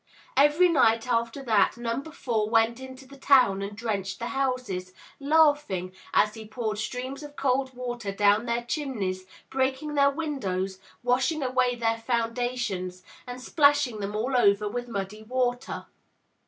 Every night after that, Number Four went into the town and drenched the houses, laughing, as he poured streams of cold water down their chimneys, breaking their windows, washing away their foundations, and splashing them all over with muddy water.